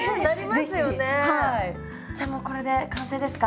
じゃあもうこれで完成ですか？